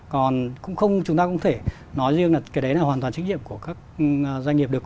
còn chúng ta cũng thể nói riêng là cái đấy là hoàn toàn trách nhiệm của các doanh nghiệp được